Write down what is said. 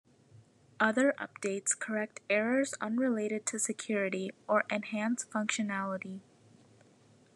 Other updates correct errors unrelated to security, or enhance functionality.